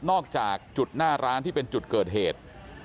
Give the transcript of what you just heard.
จากจุดหน้าร้านที่เป็นจุดเกิดเหตุ